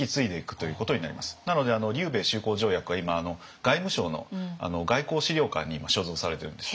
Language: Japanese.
なので琉米修好条約は今外務省の外交史料館に所蔵されてるんです。